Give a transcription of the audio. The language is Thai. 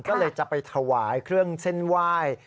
ก็เลยจะไปถวายเครื่องเส้นไหว้